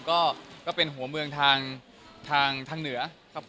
แต่เป็นหัวเมืองทางเหนือ